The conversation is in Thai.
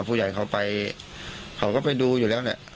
ผู้ใหญ่เขาไปเขาก็ไปดูอยู่แล้วแหละ